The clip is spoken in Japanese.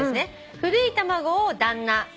「古い卵を旦那。